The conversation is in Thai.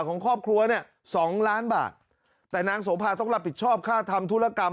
ของครอบครัวเนี่ยสองล้านบาทแต่นางโสภาต้องรับผิดชอบค่าทำธุรกรรม